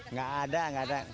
nggak ada semua